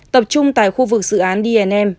tập trung tại khu vực dự án dnm